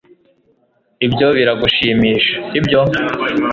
ibyo biragushimisha, sibyo